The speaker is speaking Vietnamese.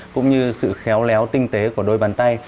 cũng như sự khéo léo tinh tế của công đoạn này